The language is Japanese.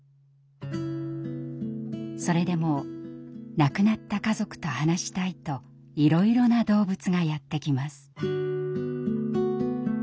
それでも亡くなった家族と話したいといろいろな動物がやって来ます。